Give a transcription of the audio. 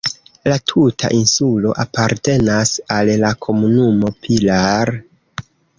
La tuta insulo apartenas al la komunumo Pilar.